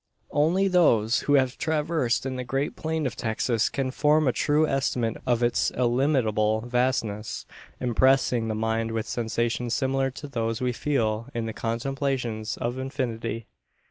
Only those who have traversed the great plain of Texas can form a true estimate of its illimitable vastness; impressing the mind with sensations similar to those we feel in the contemplation of infinity.